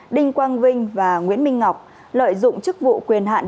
đinh quang vinh và nguyễn minh ngọc lợi dụng chức vụ quyền hạn